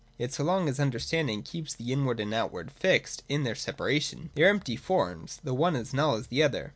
Yet so long as understanding keeps the Inward and Outward fixed in their separation, they are empty forms, the one as null as the other.